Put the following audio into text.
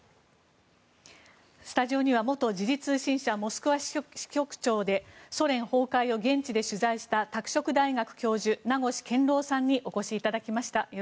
スタジオには元時事通信社モスクワ支局長でソ連崩壊を現地で取材した拓殖大学教授、名越健郎さんにお越しいただきました。